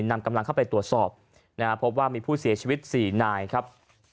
นำกำลังเข้าไปตรวจสอบนะฮะพบว่ามีผู้เสียชีวิต๔นายครับ